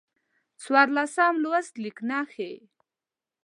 څوارلسم لوست: لیک نښې